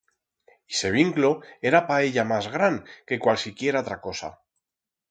Ixe vinclo era pa ella mas gran que cualsiquier atra cosa.